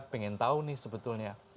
pengen tahu nih sebetulnya